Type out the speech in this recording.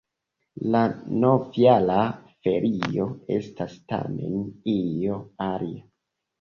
La novjara ferio estas tamen io alia.